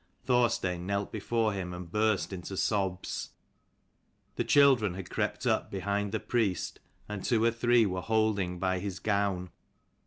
Thorstein knelt before him and burst into sobs. The children had crept up behind the priest, and two or three were holding by his gown.